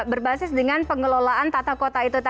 berbasis dengan pengelolaan tata kota itu tadi ya